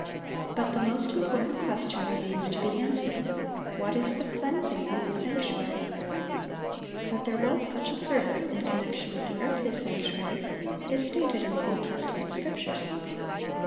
But the most important question remains to be answered: What is the cleansing of the sanctuary? That there was such a service in connection with the earthly sanctuary, is stated in the Old Testament Scriptures.